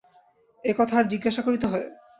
এ-কথা আর জিজ্ঞাসা করিতে হয়?